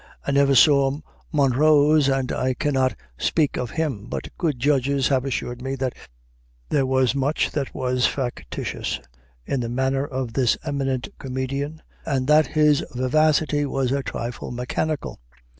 I never saw Monrose, and cannot speak of him. But good judges have assured me that there was much that was factitious in the manner of this eminent comedian, and that his vivacity was a trifle mechanical.